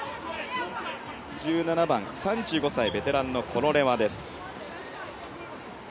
１７番、３５歳、ベテランのコロレワです。